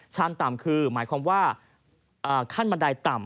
ต่ำคือหมายความว่าขั้นบันไดต่ำ